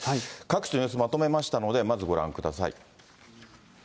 各地の様子、まとめましたので、まずご覧ください。